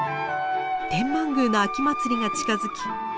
天満宮の秋祭りが近づき